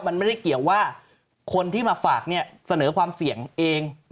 มันไม่ได้เกี่ยวว่าคนที่มาฝากเสนอความเสี่ยงเอง